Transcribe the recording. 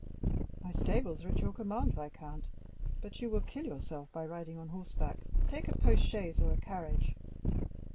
"My stables are at your command, viscount; but you will kill yourself by riding on horseback. Take a post chaise or a carriage."